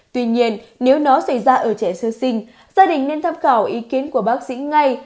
tuy nhiên nếu nó xảy ra ở trẻ sơ sinh gia đình nên tham khảo ý kiến của bác sĩ ngay